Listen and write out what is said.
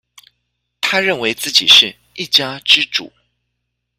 他認為自己是一家之主